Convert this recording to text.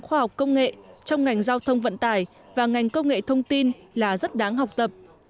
khoa học công nghệ trong ngành giao thông vận tải và ngành công nghệ thông tin là rất đáng học tập